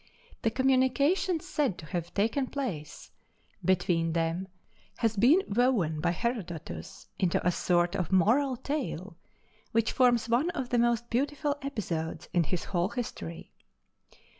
The communication said to have taken place between them has been woven by Herodotus into a sort of moral tale which forms one of the most beautiful episodes in his whole history.